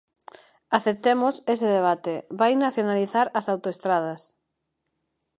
Aceptemos ese debate: vai nacionalizar as autoestradas.